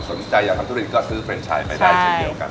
สนใจทันทุกคนก็ซื้อเพลินด์ชัยไปใดกัน